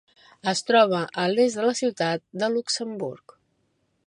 Es troba a l'est de la ciutat de Luxemburg.